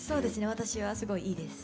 私はすごいいいです。